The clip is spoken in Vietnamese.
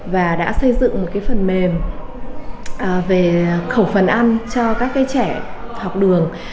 và đã xây dựng một phần mềm về khẩu phần ăn cho các cái trẻ học đường